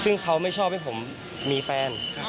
ซึ่งเขาไม่ชอบให้ผมมีแฟน